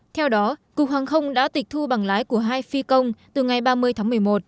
theo đó cục hàng không đã tịch thu bằng lái của hai phi công từ ngày ba mươi tháng một mươi một